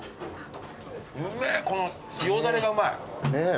うめえ塩ダレがうまい。